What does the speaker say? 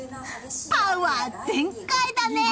パワー全開だね！